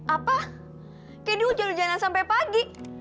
apa kendi hujan hujanan sampai pagi